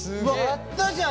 やったじゃん。